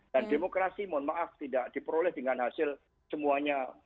dan demokrasi mohon maaf tidak diperoleh dengan hasil semuanya